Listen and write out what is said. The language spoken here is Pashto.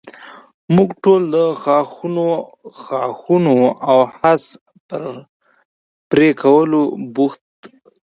موږ ټول د ښاخونو او خس پر پرې کولو بوخت شو.